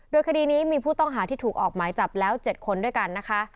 โดยคดีนี้มีผู้ต้องหาที่ถูกออกหมายจับแล้ว๗คนด้วยกันนะคะ